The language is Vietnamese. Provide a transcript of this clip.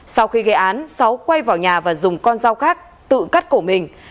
sau khi gây án sáu quay vào nhà và dùng con dao khác tự cắt cổ mình